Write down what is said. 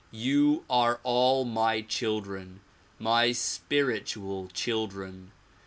You are all my children, my spiritual children.